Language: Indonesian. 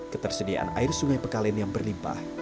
ketersediaan air sungai pekalen yang berlimpah